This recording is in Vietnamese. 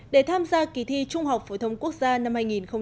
để tham gia kỳ thi trung học phổ thông quốc gia năm hai nghìn một mươi chín